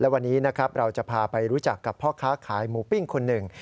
วันนี้นะครับเราจะพาไปรู้จักกับพ่อค้าขายหมูปิ้งคนหนึ่ง